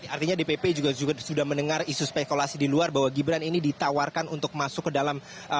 artinya dpp juga sudah mendengar isu spekulasi di luar bahwa gibran ini ditawarkan untuk masuk ke dalam